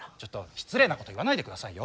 失礼なこと言わないで下さいよ。